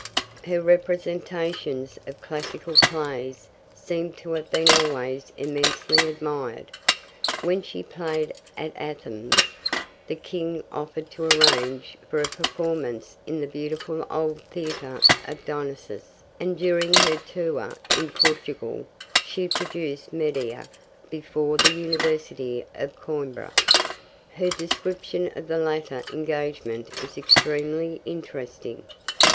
Her representations of classical plays seem to have been always immensely admired. When she played at Athens, the King offered to arrange for a performance in the beautiful old theatre of Dionysos, and during her tour in Portugal she produced Medea before the University of Coimbra. Her description of the latter engagement is extremely interesting.